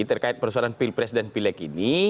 terkait persoalan pilpres dan pileg ini